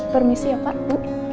permisi ya pak bu